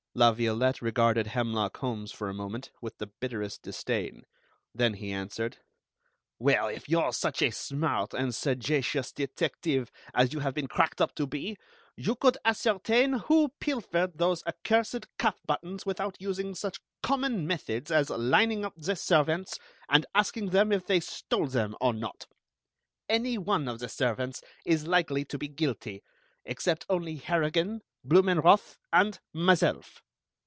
La Violette regarded Hemlock Holmes for a moment with the bitterest disdain, then he answered: "Well, if you're such a smart and sagacious detective as you have been cracked up to be, you could ascertain who pilfered those accursed cuff buttons without using such common methods as lining up the servants, and asking them if they stole them or not. Any one of the servants is likely to be guilty, except only Harrigan, Blumenroth, and myself.